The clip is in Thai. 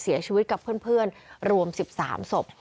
เสียชีวิตกับเพื่อนรวม๑๓ศพ